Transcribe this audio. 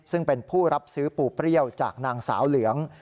ซึ่งเป็นผู้รับซื้อปูเปรี้ยวจากนางสาวเหลือง